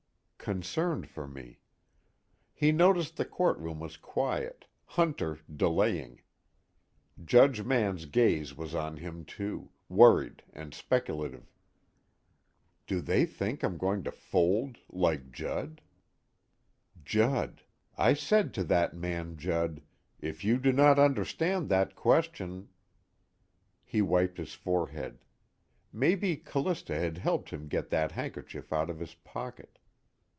Concerned for me. He noticed the courtroom was quiet, Hunter delaying. Judge Mann's gaze was on him too, worried and speculative. Do they think I'm going to fold like Judd? Judd I said to that man Judd: 'If you do not understand that question ' He wiped his forehead. Maybe Callista had helped him get that handkerchief out of his pocket.